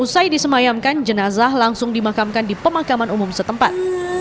usai disemayamkan jenazah langsung dimakamkan di pemakaman umum setempat